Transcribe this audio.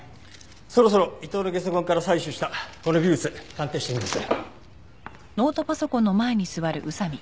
そろそろ伊藤のゲソ痕から採取したこの微物鑑定してみます。